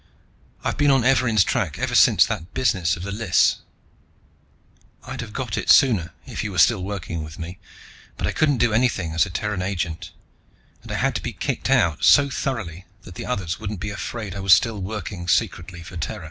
I've been on Evarin's track ever since that business of The Lisse. "I'd have got it sooner, if you were still working with me, but I couldn't do anything as a Terran agent, and I had to be kicked out so thoroughly that the others wouldn't be afraid I was still working secretly for Terra.